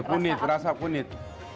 kunyit rasa kunyit